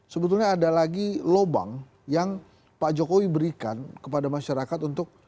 sebetulnya ada lagi lobang yang pak jokowi berikan kepada masyarakat untuk